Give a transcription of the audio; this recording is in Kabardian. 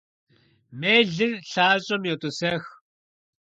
Мелыр лъащӀэм йотӀысэх.